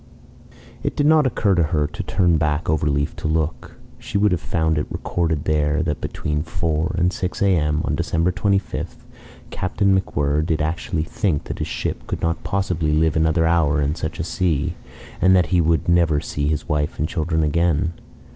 It did not occur to her to turn back overleaf to look. She would have found it recorded there that between 4 and 6 A. M. on December 25th, Captain MacWhirr did actually think that his ship could not possibly live another hour in such a sea, and that he would never see his wife and children again.